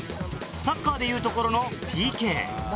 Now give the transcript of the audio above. サッカーでいうところのＰＫ。